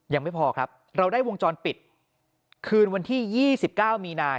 ยังไม่พอครับเราได้วงจรปิดคืนวันที่๒๙มีนา